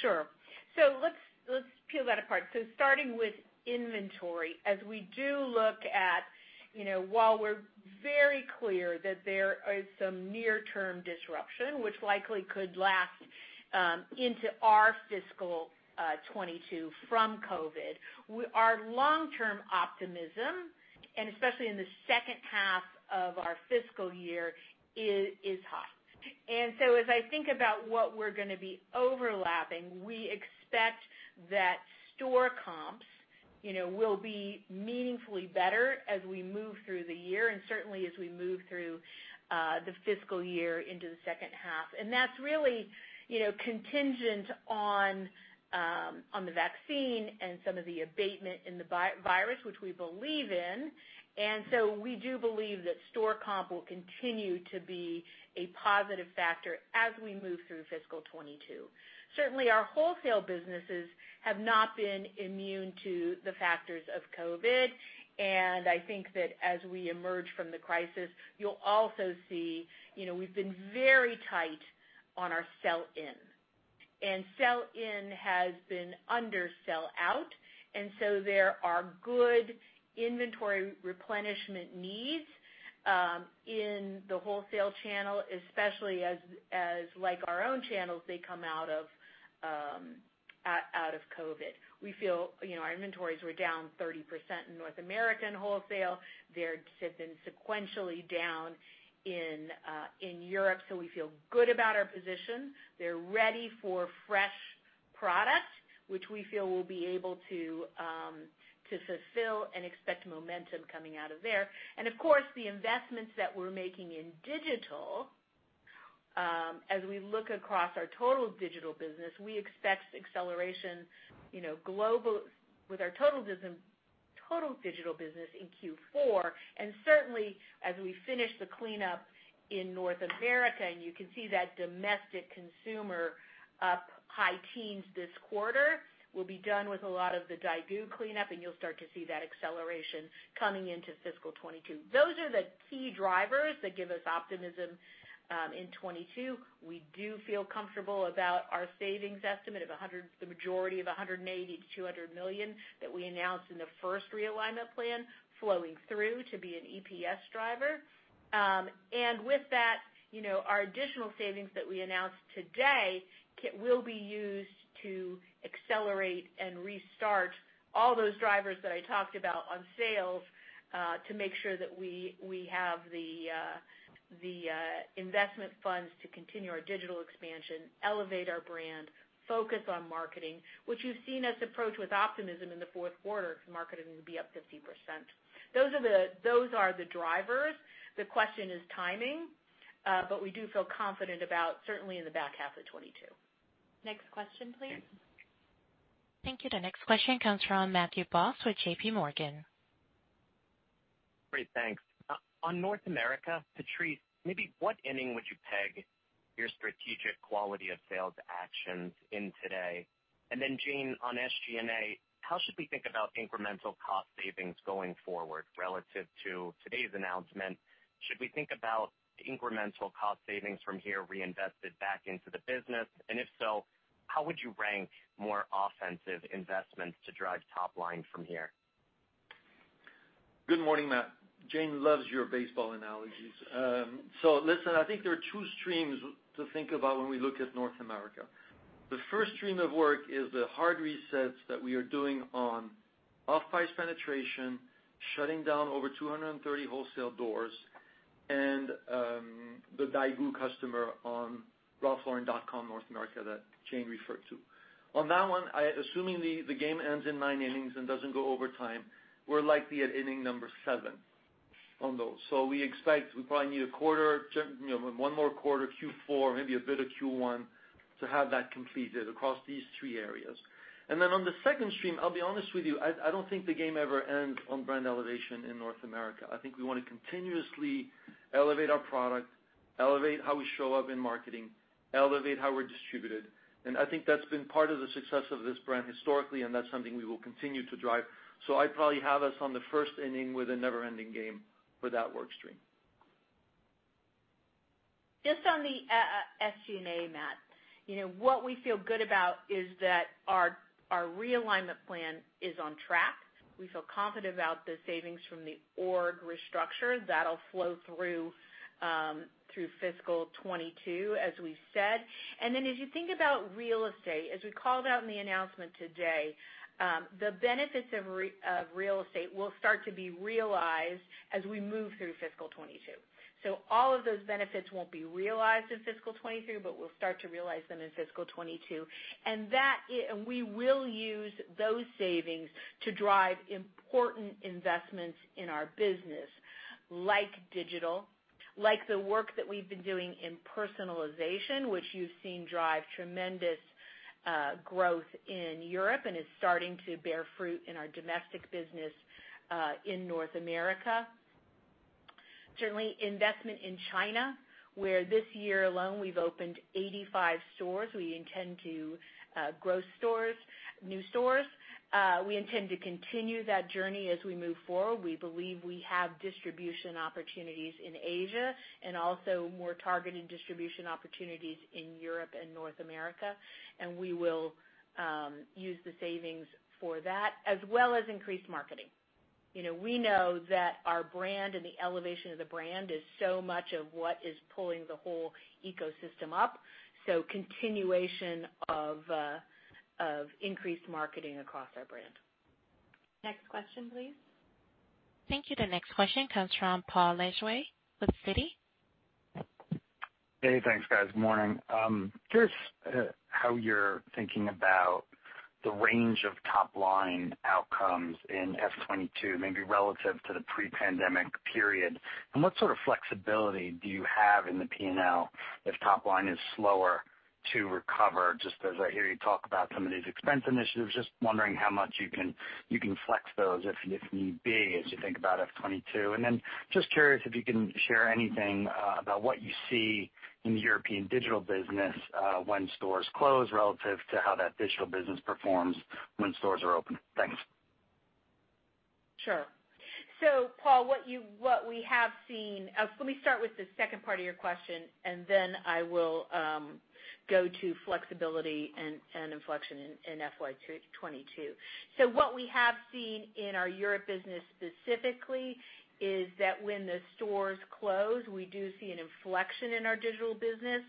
Sure. Let's peel that apart. Starting with inventory, as we do look at while we're very clear that there is some near-term disruption which likely could last into our fiscal 2022 from COVID, our long-term optimism, and especially in the second half of our fiscal year, is high. As I think about what we're going to be overlapping, we expect that store comps will be meaningfully better as we move through the year, and certainly as we move through the fiscal year into the second half. That's really contingent on the vaccine and some of the abatement in the virus, which we believe in. We do believe that store comp will continue to be a positive factor as we move through fiscal 2022. Certainly, our wholesale businesses have not been immune to the factors of COVID. I think that as we emerge from the crisis, you'll also see we've been very tight on our sell in. Sell in has been under sell out. There are good inventory replenishment needs in the wholesale channel, especially as like our own channels, they come out of COVID. Our inventories were down 30% in North American wholesale. They've been sequentially down in Europe. We feel good about our position. They're ready for fresh product, which we feel will be able to fulfill and expect momentum coming out of there. Of course, the investments that we're making in digital. As we look across our total digital business, we expect acceleration with our total digital business in Q4, and certainly as we finish the cleanup in North America, you can see that domestic consumer up high teens this quarter will be done with a lot of the Daigou cleanup, and you'll start to see that acceleration coming into fiscal 2022. Those are the key drivers that give us optimism in 2022. We do feel comfortable about our savings estimate of the majority of $180 million-$200 million that we announced in the first realignment plan flowing through to be an EPS driver. With that, our additional savings that we announced today will be used to accelerate and restart all those drivers that I talked about on sales to make sure that we have the investment funds to continue our digital expansion, elevate our brand, focus on marketing, which you've seen us approach with optimism in the fourth quarter as marketing will be up 50%. Those are the drivers. The question is timing. We do feel confident about certainly in the back half of 2022. Next question, please. Thank you. The next question comes from Matthew Boss with JPMorgan. Great. Thanks. On North America, Patrice, maybe what inning would you peg your strategic quality of sales actions in today? Jane, on SG&A, how should we think about incremental cost savings going forward relative to today's announcement? Should we think about incremental cost savings from here reinvested back into the business? If so, how would you rank more offensive investments to drive top line from here? Good morning, Matt. Jane loves your baseball analogies. Listen, I think there are two streams to think about when we look at North America. The first stream of work is the hard resets that we are doing on off-price penetration, shutting down over 230 wholesale doors, and the Daigou customer on ralphlauren.com North America that Jane referred to. On that one, assuming the game ends in nine innings and doesn't go overtime, we're likely at inning number seven on those. We expect we probably need one more quarter, Q4, maybe a bit of Q1, to have that completed across these three areas. Then on the second stream, I'll be honest with you, I don't think the game ever ends on brand elevation in North America. I think we want to continuously elevate our product, elevate how we show up in marketing, elevate how we're distributed, and I think that's been part of the success of this brand historically, and that's something we will continue to drive. I probably have us on the first inning with a never-ending game for that work stream. Just on the SG&A, Matthew. What we feel good about is that our realignment plan is on track. We feel confident about the savings from the org restructure. That'll flow through fiscal 2022, as we said. As you think about real estate, as we called out in the announcement today, the benefits of real estate will start to be realized as we move through fiscal 2022. All of those benefits won't be realized in fiscal 2023, but we'll start to realize them in fiscal 2022. We will use those savings to drive important investments in our business, like digital, like the work that we've been doing in personalization, which you've seen drive tremendous growth in Europe and is starting to bear fruit in our domestic business in North America. Certainly, investment in China, where this year alone, we've opened 85 stores. We intend to grow new stores. We intend to continue that journey as we move forward. We believe we have distribution opportunities in Asia and also more targeted distribution opportunities in Europe and North America, and we will use the savings for that as well as increased marketing. We know that our brand and the elevation of the brand is so much of what is pulling the whole ecosystem up. Continuation of increased marketing across our brand. Next question, please. Thank you. The next question comes from Paul Lejuez with Citi. Hey, thanks, guys. Morning. Curious how you're thinking about the range of top-line outcomes in FY 2022, maybe relative to the pre-pandemic period, and what sort of flexibility do you have in the P&L if top line is slower to recover? Just as I hear you talk about some of these expense initiatives, just wondering how much you can flex those if need be, as you think about FY 2022. Then just curious if you can share anything about what you see in the European digital business when stores close relative to how that digital business performs when stores are open. Thanks. Sure. Paul, let me start with the second part of your question, I will go to flexibility and inflection in FY 2022. What we have seen in our Europe business specifically is that when the stores close, we do see an inflection in our digital business,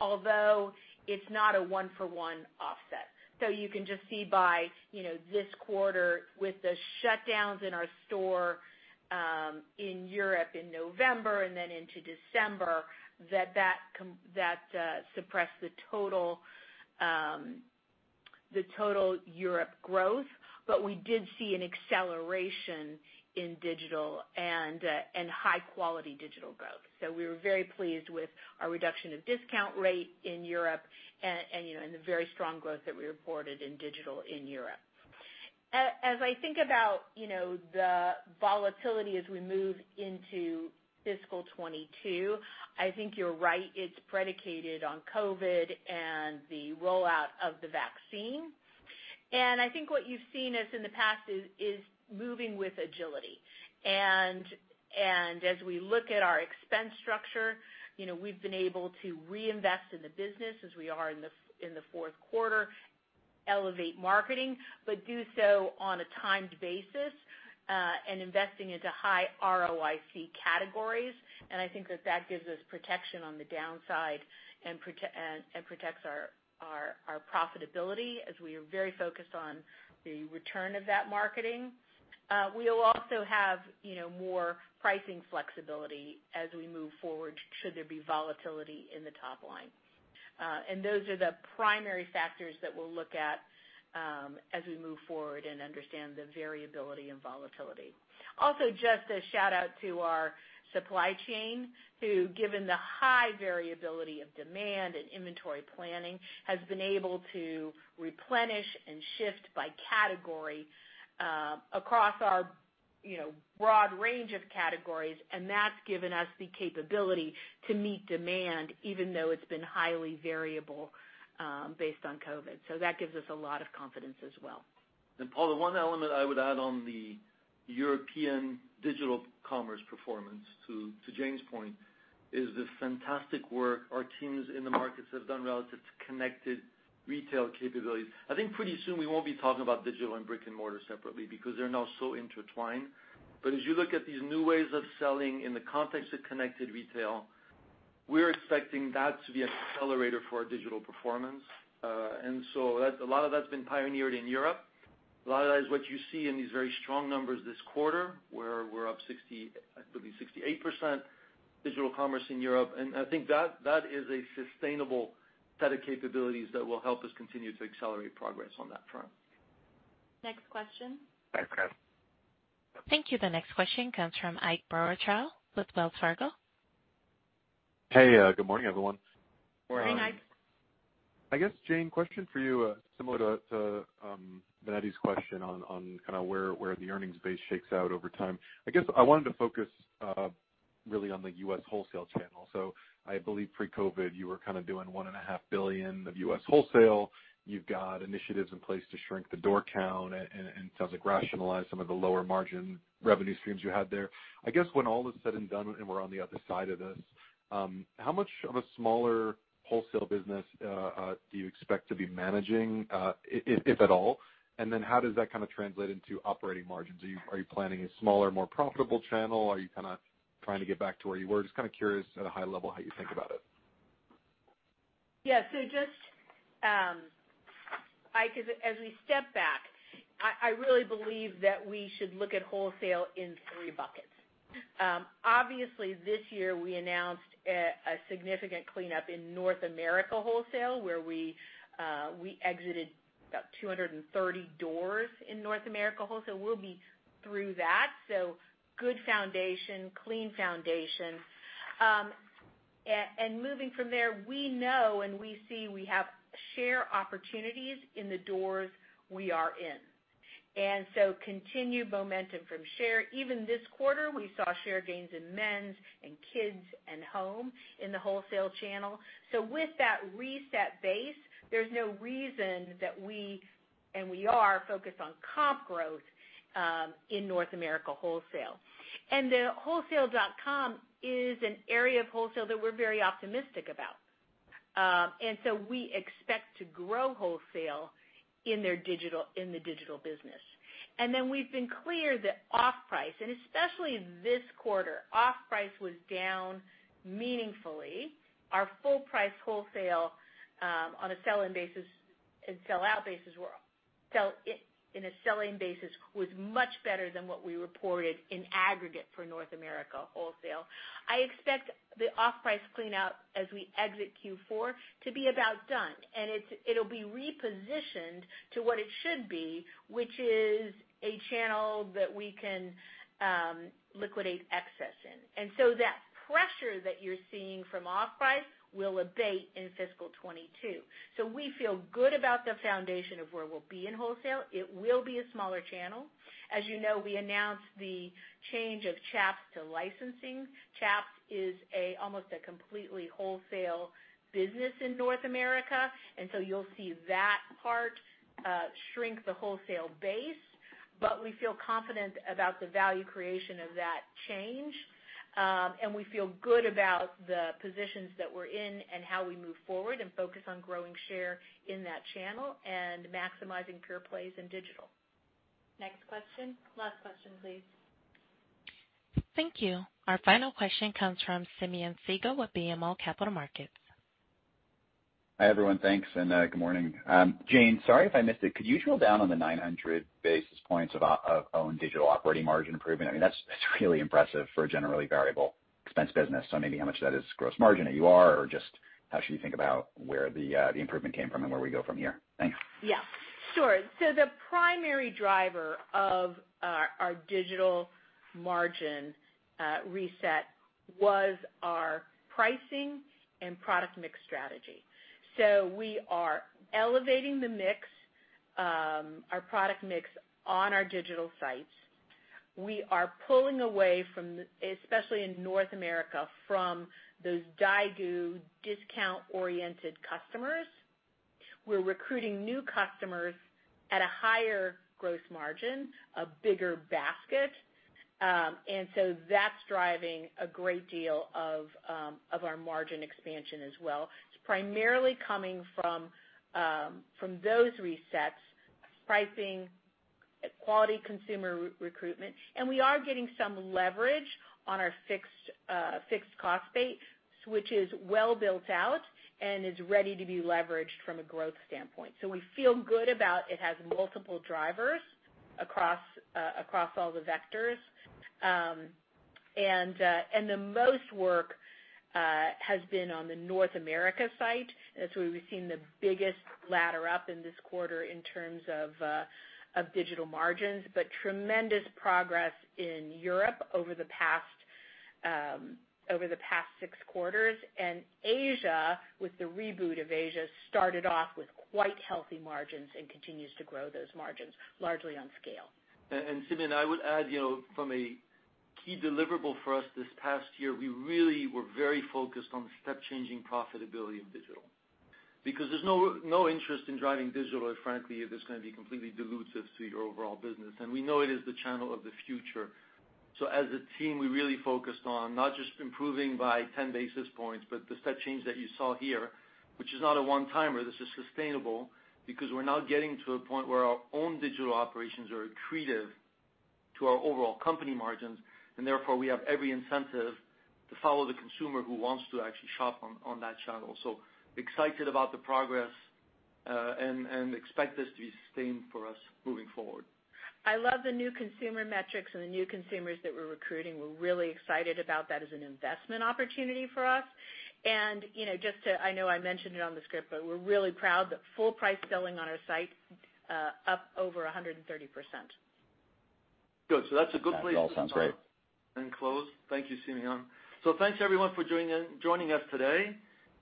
although it's not a one for one offset. You can just see by this quarter with the shutdowns in our store in Europe in November into December, that suppressed the total Europe growth. We did see an acceleration in digital and high-quality digital growth. We were very pleased with our reduction of discount rate in Europe and the very strong growth that we reported in digital in Europe. As I think about the volatility as we move into fiscal 2022, I think you're right. It's predicated on COVID and the rollout of the vaccine. I think what you've seen us in the past is moving with agility. As we look at our expense structure, we've been able to reinvest in the business as we are in the fourth quarter, elevate marketing, but do so on a timed basis, and investing into high return on invested capital categories. I think that that gives us protection on the downside and protects our profitability as we are very focused on the return of that marketing. We will also have more pricing flexibility as we move forward, should there be volatility in the top line. Those are the primary factors that we'll look at as we move forward and understand the variability and volatility. Just a shout-out to our supply chain, who, given the high variability of demand and inventory planning, has been able to replenish and shift by category across our broad range of categories, and that's given us the capability to meet demand, even though it's been highly variable based on COVID. That gives us a lot of confidence as well. Paul, the one element I would add on the European digital commerce performance, to Jane's point, is the fantastic work our teams in the markets have done relative to connected retail capabilities. I think pretty soon we won't be talking about digital and brick and mortar separately because they're now so intertwined. As you look at these new ways of selling in the context of connected retail. We're expecting that to be an accelerator for our digital performance. A lot of that's been pioneered in Europe. A lot of that is what you see in these very strong numbers this quarter, where we're up 60, actually 68% digital commerce in Europe. I think that is a sustainable set of capabilities that will help us continue to accelerate progress on that front. Next question. Thank you. The next question comes from Ike Boruchow with Wells Fargo. Hey, good morning, everyone. Morning. Good morning, Ike. I guess, Jane, question for you, similar to Binetti's question on kind of where the earnings base shakes out over time. I guess I wanted to focus really on the U.S. wholesale channel. I believe pre-COVID, you were kind of doing $1.5 billion of U.S. wholesale. You've got initiatives in place to shrink the door count and sounds like rationalize some of the lower margin revenue streams you had there. I guess when all is said and done, and we're on the other side of this, how much of a smaller wholesale business do you expect to be managing, if at all? How does that kind of translate into operating margins? Are you planning a smaller, more profitable channel? Are you kind of trying to get back to where you were? Just kind of curious at a high level how you think about it. Yeah. Just, Ike, as we step back, I really believe that we should look at wholesale in three buckets. Obviously, this year we announced a significant cleanup in North America wholesale, where we exited about 230 doors in North America wholesale. We'll be through that, so good foundation, clean foundation. Moving from there, we know and we see we have share opportunities in the doors we are in. Continued momentum from share. Even this quarter, we saw share gains in men's, in kids, and home in the wholesale channel. With that reset base, there's no reason that we are focused on comp growth in North America wholesale. The wholesale.com is an area of wholesale that we're very optimistic about. We expect to grow wholesale in the digital business. Then we've been clear that off-price, and especially this quarter, off-price was down meaningfully. Our full-price wholesale, on a sell-in basis and sell-out basis, in a sell-in basis, was much better than what we reported in aggregate for North America wholesale. I expect the off-price cleanout as we exit Q4 to be about done, and it'll be repositioned to what it should be, which is a channel that we can liquidate excess in. So that pressure that you're seeing from off-price will abate in fiscal 2022. We feel good about the foundation of where we'll be in wholesale. It will be a smaller channel. As you know, we announced the change of Chaps to licensing. Chaps is almost a completely wholesale business in North America, you'll see that part shrink the wholesale base. We feel confident about the value creation of that change. We feel good about the positions that we're in and how we move forward and focus on growing share in that channel and maximizing pure plays in digital. Next question. Last question, please. Thank you. Our final question comes from Simeon Siegel with BMO Capital Markets. Hi, everyone. Thanks. Good morning. Jane, sorry if I missed it, could you drill down on the 900 basis points of own digital operating margin improvement? I mean, that's really impressive for a generally variable expense business. Maybe how much of that is gross margin at AUR, or just how should we think about where the improvement came from and where we go from here? Thanks. Yeah, sure. The primary driver of our digital margin reset was our pricing and product mix strategy. We are elevating the mix, our product mix on our digital sites. We are pulling away, especially in North America, from those Daigou discount-oriented customers. We're recruiting new customers at a higher gross margin, a bigger basket. That's driving a great deal of our margin expansion as well. It's primarily coming from those resets, pricing, quality consumer recruitment, and we are getting some leverage on our fixed cost base, which is well built out and is ready to be leveraged from a growth standpoint. We feel good about it has multiple drivers across all the vectors. The most work has been on the North America site. That's where we've seen the biggest ladder-up in this Q3 in terms of digital margins. Tremendous progress in Europe over the past six quarters. Asia, with the reboot of Asia, started off with quite healthy margins and continues to grow those margins largely on scale. Simeon, I would add, from a key deliverable for us this past year, we really were very focused on step-changing profitability in digital. There's no interest in driving digital if, frankly, if it's going to be completely dilutive to your overall business. We know it is the channel of the future. As a team, we really focused on not just improving by 10 basis points, but the step change that you saw here, which is not a one-timer, this is sustainable, because we're now getting to a point where our own digital operations are accretive to our overall company margins, and therefore, we have every incentive to follow the consumer who wants to actually shop on that channel. Excited about the progress, and expect this to be sustained for us moving forward. I love the new consumer metrics and the new consumers that we're recruiting. We're really excited about that as an investment opportunity for us. I know I mentioned it on the script, but we're really proud that full price selling on our site up over 130%. Good. That all sounds great. And close. Thank you, Simeon. Thanks, everyone, for joining us today.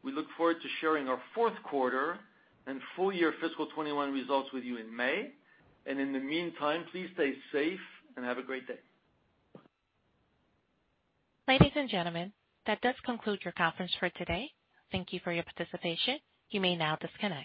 We look forward to sharing our fourth quarter and full year fiscal 2021 results with you in May. In the meantime, please stay safe and have a great day. Ladies and gentlemen, that does conclude your conference for today. Thank you for your participation. You may now disconnect.